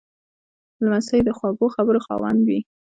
لمسی د خوږو خبرو خاوند وي.